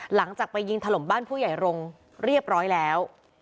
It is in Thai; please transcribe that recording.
หลังจากไปยิงถล่มบ้านผู้ใหญ่รงค์เรียบร้อยแล้ว